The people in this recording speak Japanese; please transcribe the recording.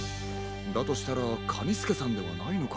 だとしたらカニスケさんではないのか。